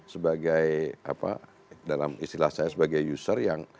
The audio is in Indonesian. sebagai apa dalam istilah saya sebagai user yang